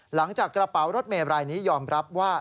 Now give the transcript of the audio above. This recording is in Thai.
หลังจากกระเป๋ารถเมล์รายนี้ยอมรับว่า